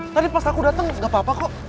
tadi pas aku datang gak apa apa kok